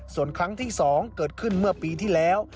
ส่วนครั้งที่๒เกิดขึ้นเมื่อปีที่แล้ว